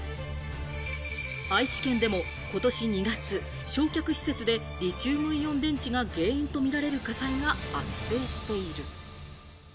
愛知県でも今年２月、焼却施設でリチウムイオン電池が原因とみられる火災が発生している。